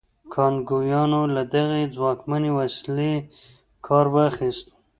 کانګویانو له دغې ځواکمنې وسیلې کار واخیست.